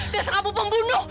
desa kamu pembunuh